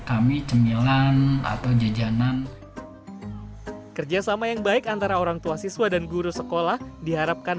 kami cemilan atau jajanan kerjasama yang baik antara orang tua siswa dan guru sekolah diharapkan